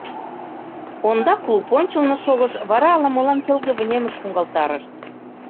Ондак клуб ончылно шогыш, вара ала-молан келге вынемыш шуҥгалтарышт.